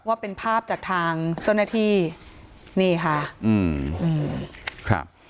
ว่าเป็นภาพจากทางเจ้าหน้าที่นี่ค่ะอืมอืมครับ